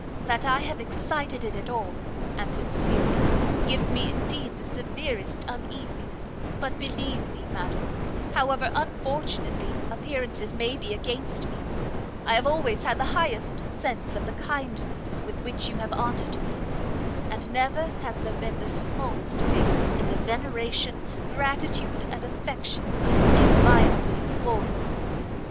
"That I have excited it at all," answered Cecilia, "gives me indeed the severest uneasiness; but believe me, madam, however unfortunately appearances maybe against me, I have always had the highest sense of the kindness with which you have honoured me, and never has there been the smallest abatement in the veneration, gratitude, and affection I have inviolably borne you."